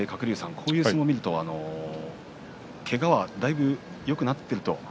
こういう相撲見るとけがはだいぶよくなっていると。